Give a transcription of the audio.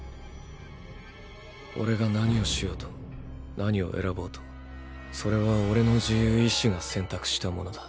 オレが何をしようと何を選ぼうとそれはオレの自由意思が選択したものだ。